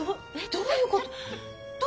どういうこと？